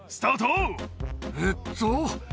えっと。